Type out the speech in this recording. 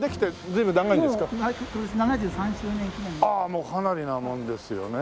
もうかなりなもんですよね。